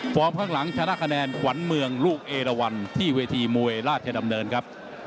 ข้างหลังชนะคะแนนขวัญเมืองลูกเอราวันที่เวทีมวยราชดำเนินครับ